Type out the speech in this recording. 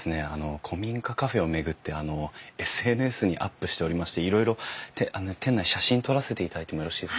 古民家カフェを巡ってＳＮＳにアップしておりましていろいろ店内写真撮らせていただいてもよろしいですか？